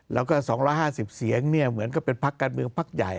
แล้ว๒๕๐เซียงเนี่ยเหมือนกระเป็นพักการเมืองพักใหญ่